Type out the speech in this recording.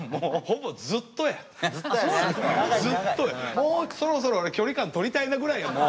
もうそろそろ俺距離感とりたいなぐらいやもう。